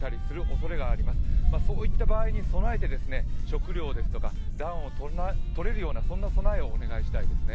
そういった場合に備えて食料や暖を取れるような備えをお願いしたいですね。